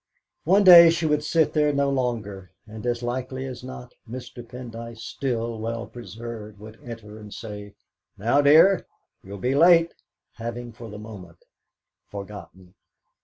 One day she would sit there no longer, and, as likely as not, Mr. Pendyce, still well preserved, would enter and say, "Now, my dear, you'll be late!" having for the moment forgotten.